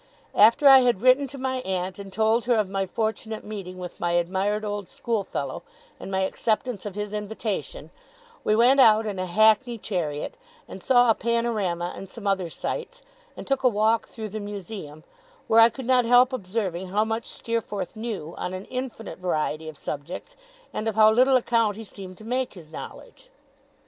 After I had written to my aunt and told her of my fortunate meeting with my admired old schoolfellow, and my acceptance of his invitation, we went out in a hackney chariot, and saw a Panorama and some other sights, and took a walk through the Museum, where I could not help observing how much Steerforth knew, on an infinite variety of subjects, and of how little account he seemed to make his knowledge.